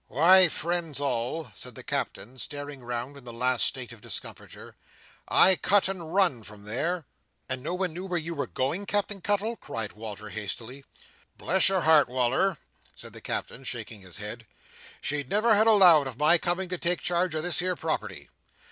"Why, friends all," said the Captain, staring round in the last state of discomfiture, "I cut and run from there!" "And no one knew where you were gone, Captain Cuttle?" cried Walter hastily. "Bless your heart, Wal"r," said the Captain, shaking his head, "she'd never have allowed o' my coming to take charge o' this here property.